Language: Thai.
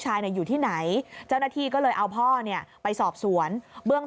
อยู่ที่ไหนเจ้าหน้าที่ก็เลยเอาพ่อเนี่ยไปสอบสวนเบื้อง